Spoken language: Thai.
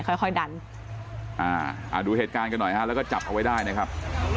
ค่อยดันดูเหตุการณ์กันหน่อยฮะแล้วก็จับเอาไว้ได้นะครับ